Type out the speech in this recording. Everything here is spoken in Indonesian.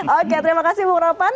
oke terima kasih bung ropan